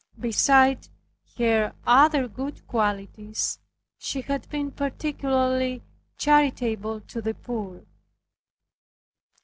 Beside her other good qualities, she had been particularly charitable to the poor.